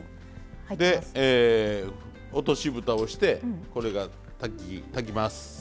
落としぶたをしてこれが炊きます。